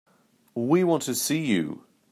We want to see you.